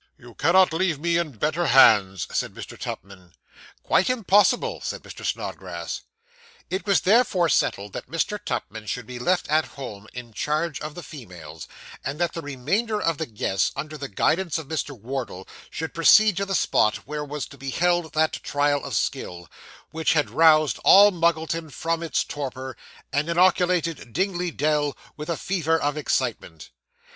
'You cannot leave me in better hands,' said Mr. Tupman. 'Quite impossible,' said Mr. Snodgrass. It was therefore settled that Mr. Tupman should be left at home in charge of the females; and that the remainder of the guests, under the guidance of Mr. Wardle, should proceed to the spot where was to be held that trial of skill, which had roused all Muggleton from its torpor, and inoculated Dingley Dell with a fever of excitement.